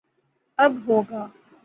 اب ہو گا